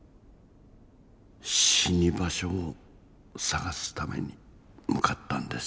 死に場所を探すために向かったんです。